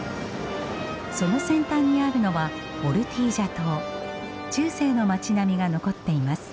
その先端にあるのは中世の町並みが残っています。